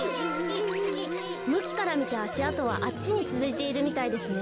むきからみてあしあとはあっちにつづいているみたいですね。